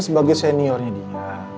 sebagai seniornya dia